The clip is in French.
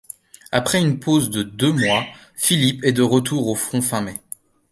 Après une pause de deux mois, Philipp est de retour au front fin mai.